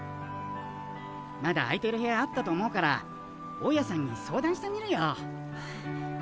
まだ空いてる部屋あったと思うから大家さんに相談してみるよ。